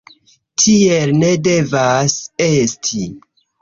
Tiel ne devas esti!